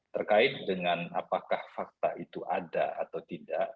terkait dengan apakah fakta itu ada atau tidak